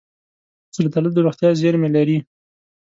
زردالو د روغتیا زېرمې لري.